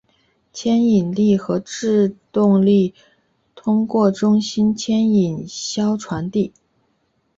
牵引力和制动力通过中心牵引销传递。